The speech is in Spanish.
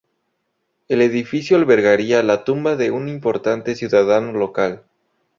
El edificio albergaría la tumba de un importante ciudadano local.